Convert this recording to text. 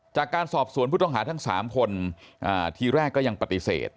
จากการสอบสวนผู้ต้องหาทั้ง๓คนทีแรกก็ยังปฏิเสธ